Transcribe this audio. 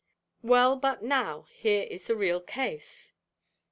Well but now here is the real case.